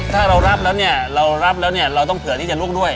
ถ้าเรารับแล้วเนี่ยเราต้องเผลอที่จะลุกด้วย